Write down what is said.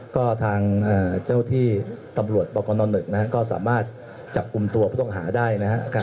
ก็ทางเจ้าที่ตำรวจปกรณนึกนะครับก็สามารถจับกุมตัวพุทธองหาได้นะครับ